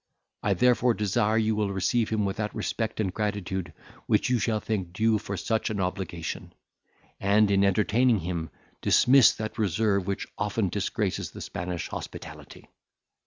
I therefore desire you will receive him with that respect and gratitude which you shall think due for such an obligation; and, in entertaining him, dismiss that reserve which often disgraces the Spanish hospitality.